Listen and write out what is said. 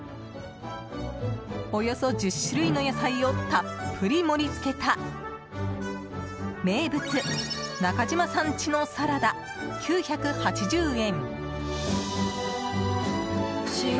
およそ１０種類の野菜をたっぷり盛り付けた名物、中嶋産地のサラダ９８０円。